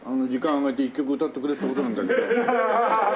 あげて１曲歌ってくれって事なんだけど。